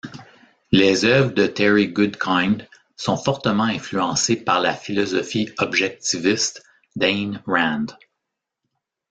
Les œuvres de Terry Goodkind sont fortement influencées par la philosophie objectiviste d'Ayn Rand.